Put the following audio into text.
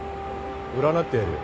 占ってやるよ。